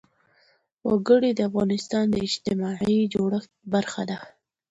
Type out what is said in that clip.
وګړي د افغانستان د اجتماعي جوړښت برخه ده.